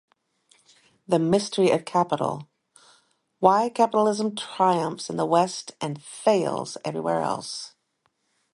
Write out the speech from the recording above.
The Mystery of Capital: Why Capitalism Triumphs in the West and Fails Everywhere Else.